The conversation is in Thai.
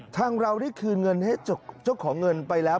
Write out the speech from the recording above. เราได้คืนเงินให้เจ้าของเงินไปแล้ว